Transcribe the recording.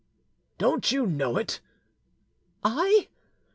"Don't you know it?" "I!!"